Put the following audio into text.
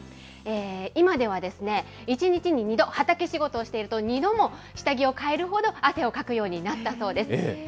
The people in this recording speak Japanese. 今ではですね、１日に２度、畑仕事をしていると、２度も下着を替えるほど、汗をかくようになったそうです。